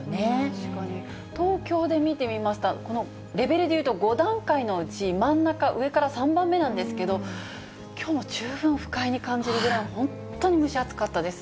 東京で見てみますと、このレベルでいうと５段階のうち、真ん中、上から３番目なんですけど、きょうも十分不快に感じるぐらい、本当に蒸し暑かったです。